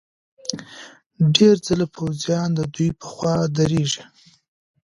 ډېر ځله پوځیان ددوی په خوا درېږي.